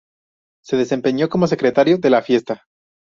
Se desempeñó como secretario de la fiesta.